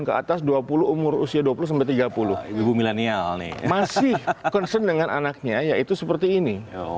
ke atas dua puluh umur usia dua puluh tiga puluh ibu milenial nih masih concern dengan anaknya yaitu seperti ini